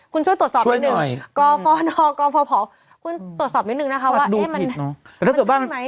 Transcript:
คุณช่วยตรวจสอบนิดนึงกฟนกฟพคุณตรวจสอบนิดนึงนะคะว่าเอ๊ะมันใช่ไหม